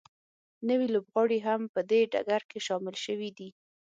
نوي لوبغاړي هم په دې ډګر کې شامل شوي دي